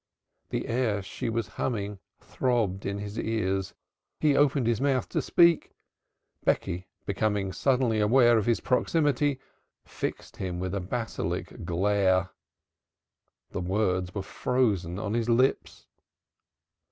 The air she was humming throbbed in his ears. He opened his mouth to speak Becky becoming suddenly aware of his proximity fixed him with a basilisk glare the words were frozen on his lips.